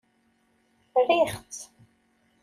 Riɣ-tt.